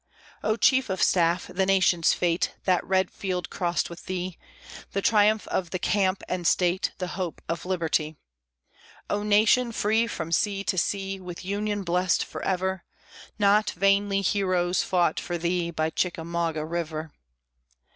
O chief of staff! the nation's fate That red field crossed with thee, The triumph of the camp and state, The hope of liberty! O nation! free from sea to sea, With union blessed forever, Not vainly heroes fought for thee By Chickamauga River.